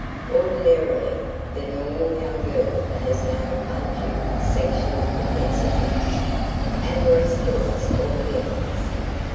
Ordinarily the normal young girl has no undue sexual propensities, amorous thoughts or feelings.